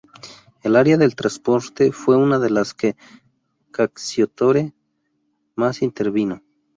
El área del transporte fue una de las que Cacciatore más intervino.